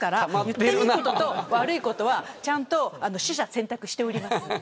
言っていいことと悪いことはちゃんと取捨選択しております